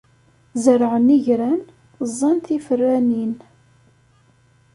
Zerɛen igran, ẓẓan tiferranin.